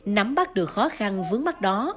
để giám bắt được khó khăn vướng mắt đó